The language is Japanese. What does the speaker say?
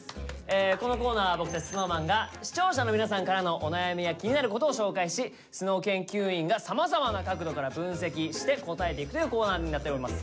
このコーナーは僕たちＳｎｏｗＭａｎが視聴者の皆さんからのお悩みや気になることを紹介しＳｎｏｗ研究員がさまざまな角度から分析して答えていくというコーナーになっております。